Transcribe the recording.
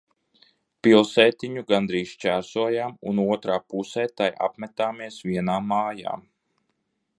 Pilsētiņu gandrīz šķērsojām un otrā pusē tai apmetāmies vienā mājā.